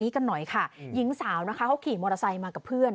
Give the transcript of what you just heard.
กันหน่อยค่ะหญิงสาวนะคะเขาขี่มอเตอร์ไซค์มากับเพื่อน